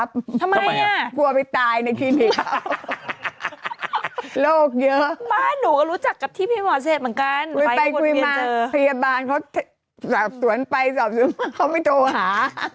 พยาบาลเขาสอบสวนไปสอบสวนมาเขาไม่โทรหา